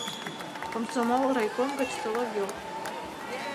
— Комсомол райком гыч Соловьев.